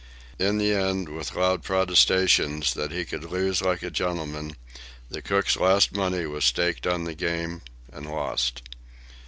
In the end, with loud protestations that he could lose like a gentleman, the cook's last money was staked on the game—and lost.